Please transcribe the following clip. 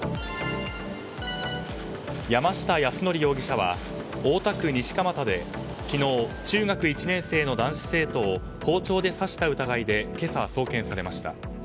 山下泰範容疑者は大田区西蒲田で昨日、中学１年生の男子生徒を包丁で刺した疑いで今朝、送検されました。